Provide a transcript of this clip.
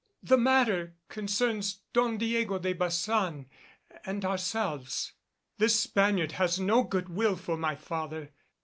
The matter concerns Don Diego de Baçan and ourselves. This Spaniard has no good will for my father."